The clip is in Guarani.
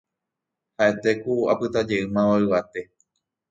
ha'ete ku apytajeýmava yvate